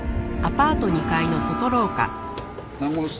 何号室？